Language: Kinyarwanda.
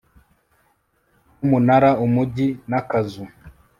Numunara umujyi nakazu